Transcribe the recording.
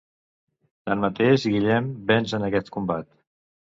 Tanmateix Guillem venç en aquest combat.